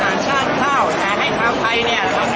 อาหรับเชี่ยวจามันไม่มีควรหยุด